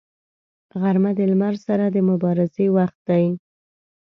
غرمه د لمر سره د مبارزې وخت دی